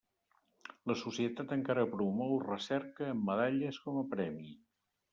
La societat encara promou recerca amb medalles com a premi.